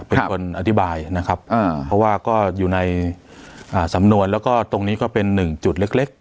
เป็นคนอธิบายนะครับเพราะว่าก็อยู่ในสำนวนแล้วก็ตรงนี้ก็เป็นหนึ่งจุดเล็ก